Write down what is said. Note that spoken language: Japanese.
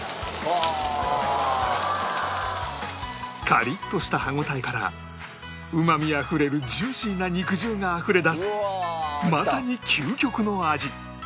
カリッとした歯応えからうまみあふれるジューシーな肉汁があふれ出すまさに究極の味！